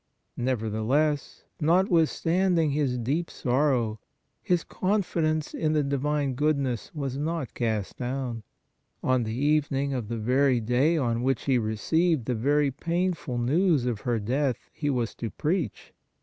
Nevertheless, notwithstanding his deep sorrow, his confidence in the divine goodness was not cast down. On the evening of the very day on which he received the very painful news of her death he was to preach.